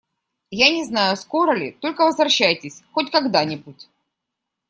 Я не знаю, скоро ли, Только возвращайтесь… хоть когда-нибудь.